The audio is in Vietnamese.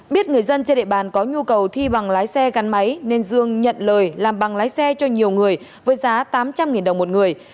biết người dân trên địa bàn có nhu cầu thi bằng lái xe gắn máy nên dương nhận lời làm bằng lái xe cho nhiều người với giá tám trăm linh đồng một người